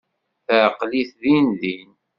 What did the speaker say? Teɛqel-it din din.